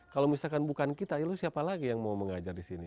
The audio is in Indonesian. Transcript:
kalau misalkan bukan kita lagi yang mau mengajar di sini